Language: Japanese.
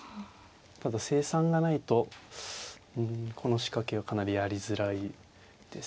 ただ成算がないとこの仕掛けはかなりやりづらいですね。